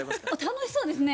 楽しそうですね。